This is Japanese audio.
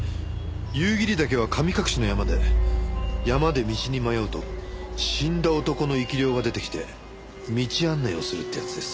夕霧岳は神隠しの山で山で道に迷うと死んだ男の生き霊が出てきて道案内をするってやつです。